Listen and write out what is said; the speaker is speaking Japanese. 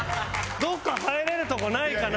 どこか入れるとこないかな？」